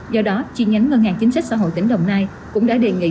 do đó chi nhánh ngân hàng chính sách xã hội tỉnh đồng nai cũng đã đề nghị